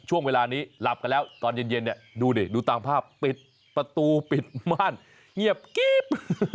ช่วงเวลานี้หลับกันแล้วตอนเย็นเนี่ยดูดิดูตามภาพปิดประตูปิดม่านเงียบกิ๊บ